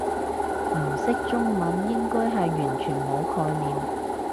唔識中文應該係完全冇概念